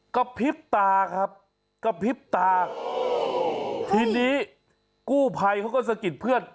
กระพริบตาครับกระพริบตาทีนี้กู้ภัยเขาก็สะกิดเพื่อน